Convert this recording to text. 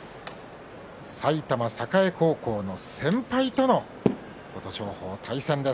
埼玉栄高校の先輩との対戦です。